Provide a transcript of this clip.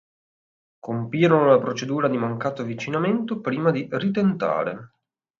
Compirono la procedura di mancato avvicinamento prima di ritentare.